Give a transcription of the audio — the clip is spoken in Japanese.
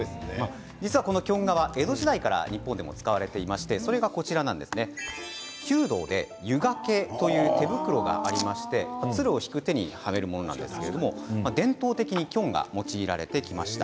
キョン革は江戸時代では日本では江戸時代から使われていまして弓道で、ゆがけという手袋がありまして弦を引く手にはめるものなんですけれども伝統的にキョンが用いられてきました。